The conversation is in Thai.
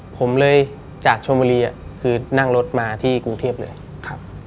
ผมเลยจากชนบุรีคือนั่งรถมาที่กรุงเทพเลยครับ